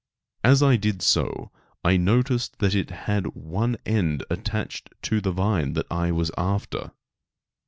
As I did so I noticed that it had one end attached to the vine that I was after.